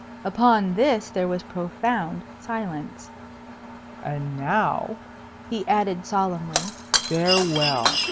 Upon this there was profound silence. "And now," he added solemnly, "farewell.